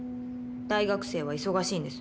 大学生は忙しいんです。